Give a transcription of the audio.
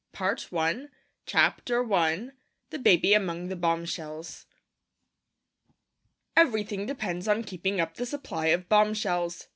Hobart, Tasmania. PART I I THE BABY AMONG THE BOMBSHELLS Everything depends on keeping up the supply of bombshells.